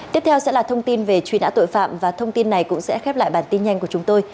tiếp theo sẽ là thông tin về truy nã tội phạm và thông tin này cũng sẽ khép lại bản tin nhanh của chúng tôi